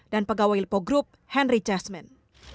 dan pegawai lipo grup henry jasmine